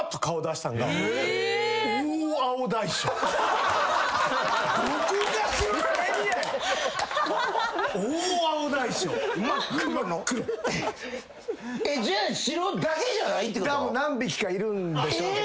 たぶん何匹かいるんでしょうけどね。